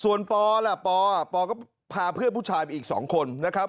ส่วนปอล่ะปปก็พาเพื่อนผู้ชายไปอีก๒คนนะครับ